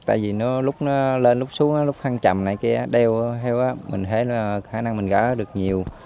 tại vì lúc nó lên lúc xuống lúc khăn chầm này kia đeo heo á mình thấy là khả năng mình gỡ được nhiều